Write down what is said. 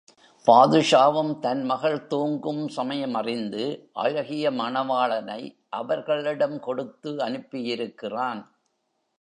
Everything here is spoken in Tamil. பாதுஷாவும் தன் மகள் தூங்கும் சமயம் அறிந்து அழகிய மணவாளனை அவர்களிடம் கொடுத்து அனுப்பியிருக்கிறான்.